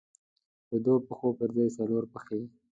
د دوو پښو پر ځای څلور پښې.